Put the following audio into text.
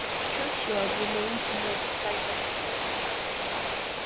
The churchyard remains near the site of the church.